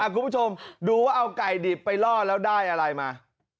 คุณผู้ชมดูว่าเอาไก่ดิบไปล่อแล้วได้อะไรมา